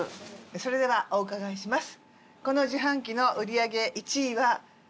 それではお伺いします。